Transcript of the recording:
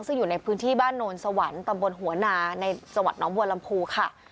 ซึ่งอยู่ในพื้นที่บ้านโนนสวรรค์ตำบลหัวนาในจังหวัดน้องบัวลำพูค่ะ